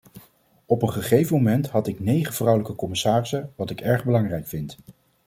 Op een gegeven moment had ik negen vrouwelijke commissarissen, wat ik erg belangrijk vind.